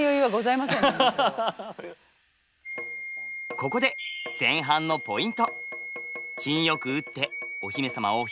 ここで前半のポイント。